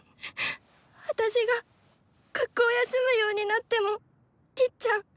私が学校休むようになってもりっちゃん